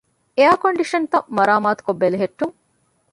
އެއަރ ކޮންޑިޝަންތައް މަރާމާތުކޮށް ބެލެހެއްޓުން